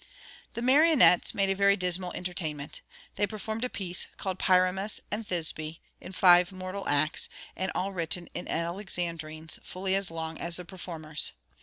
The marionnettes made a very dismal entertainment. They performed a piece, called Pyramus and Thisbe, in five mortal acts, and all written in Alexandrines fully as long as the performers.